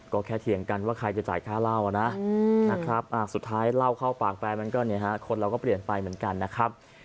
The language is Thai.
ก็แค่เถียงกันว่าใครจะจ่ายค่าล้าวนะ